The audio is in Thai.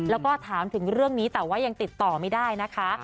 แล้วก็ถามถึงเรื่องนี้แต่ว่ายังติดต่อไม่ได้นะคะ